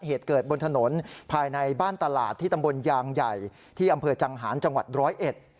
เหตุเกิดบนถนนภายในบ้านตลาดที่ตำบลยางใหญ่ที่อำเภอจังหารจังหวัดร้อยเอ็ด